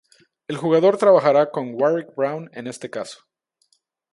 El jugador trabajará con Warrick Brown en este caso.